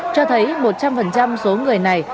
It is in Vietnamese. cho thấy một trăm linh số người này